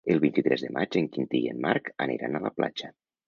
El vint-i-tres de maig en Quintí i en Marc aniran a la platja.